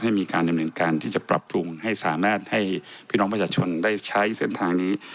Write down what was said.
มีการดำเนินการที่จะปรับปรุงให้สามารถให้พี่น้องประชาชนได้ใช้เส้นทางนี้